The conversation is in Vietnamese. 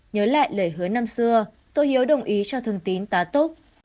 nhớ lại lời hứa năm xưa tô hiếu đồng ý cho thương tín tá túc